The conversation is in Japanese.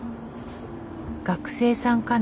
学生さんかな？